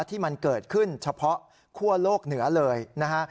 ที่มันเกิดขึ้นเฉพาะคั่วโลกเหนือเลยนะฮะ